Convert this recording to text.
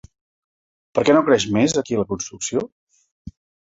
Per què no creix més aquí la construcció?